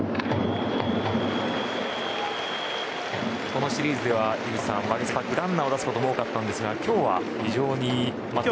このシリーズでは井口さんワゲスパックランナーを出すことも多かったんですが今日は非常に。